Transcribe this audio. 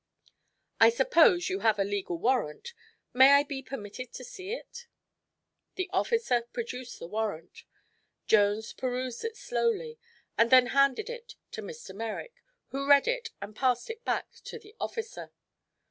I suppose you have a legal warrant. May I be permitted to see it?" The officer produced the warrant. Jones perused it slowly and then handed it to Mr. Merrick, who read it and passed it back to the officer.